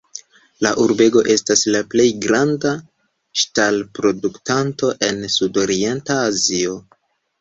La urbego estas la plej granda ŝtalproduktanto en Sudorienta Azio.